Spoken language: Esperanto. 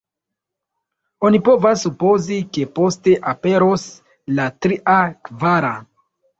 Oni povas supozi, ke poste aperos la tria, kvara.